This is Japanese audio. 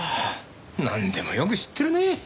なんでもよく知ってるね。